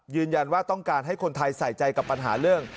ยืนยันว่าต้องการให้คนไทยใส่ใจกับปัญหาเรื่อง